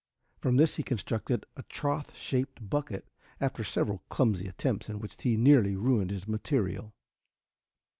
From this he constructed a trough shaped bucket after several clumsy attempts, in which he nearly ruined his material.